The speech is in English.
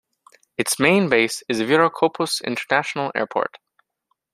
Its main base is Viracopos International Airport.